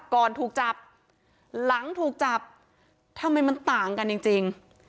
ก่อนถูกจับหลังถูกจับทำไมมันต่างกันจริง